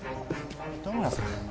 糸村さん